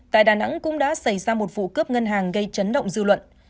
tại đà nẵng cũng đã xảy ra một vụ cướp ngân hàng gây chấn động dư luận